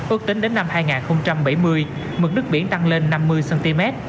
ước tính đến năm hai nghìn bảy mươi mực nước biển tăng lên năm mươi cm